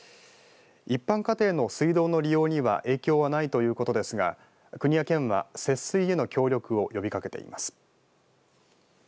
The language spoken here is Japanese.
一般家庭の水道の利用には影響はないということですが国や県は節水への協力を呼びかけています。